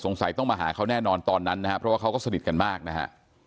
ต้องมาหาเขาแน่นอนตอนนั้นนะครับเพราะว่าเขาก็สนิทกันมากนะฮะ